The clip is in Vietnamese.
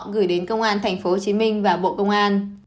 gửi đến công an tp hcm và bộ công an